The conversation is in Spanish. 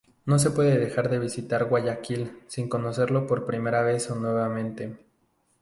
No se puede dejar de visitar Guayaquil sin conocerlo por primera vez o nuevamente.